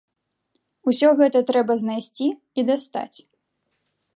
Усё гэта трэба знайсці і дастаць.